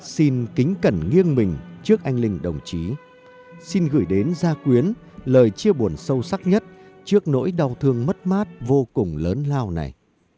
xin kính cẩn nghiêng mình trước anh linh đồng chí xin gửi đến gia quyến lời chia buồn sâu sắc nhất trước nỗi đau thương mất mát vô cùng lớn lao này